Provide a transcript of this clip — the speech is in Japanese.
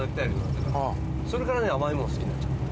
それからね甘いもの好きになっちゃった。